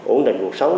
ổn định cuộc sống